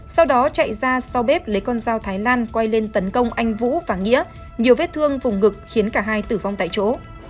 sau đó chạy ra sau bếp lấy con dao thái lan quay lên tấn công anh vũ và nghĩa nhiều vết thương vùng ngực khiến cả hai tử vong tại chỗ